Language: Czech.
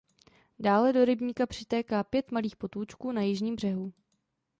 Dále do rybníka přitéká pět malých potůčků na jižním břehu.